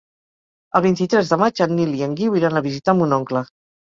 El vint-i-tres de maig en Nil i en Guiu iran a visitar mon oncle.